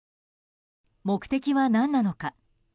目的は何なのか。